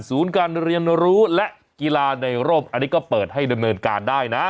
การเรียนรู้และกีฬาในร่มอันนี้ก็เปิดให้ดำเนินการได้นะ